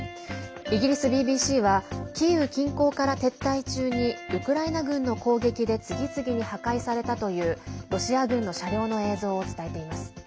イギリスＢＢＣはキーウ近郊から撤退中にウクライナ軍の攻撃で次々に破壊されたというロシア軍の車両の映像を伝えています。